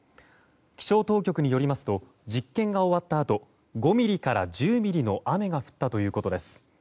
気象当局によりますと実験が終わったあと５ミリから１０ミリの雨が降ったということです。